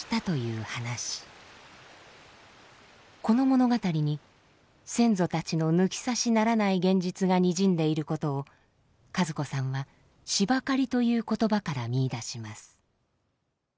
この物語に先祖たちの抜き差しならない現実がにじんでいることを和子さんは「しば刈り」という言葉から見いだします。